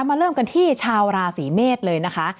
เริ่มกันที่ชาวราศีเมษเลยนะคะ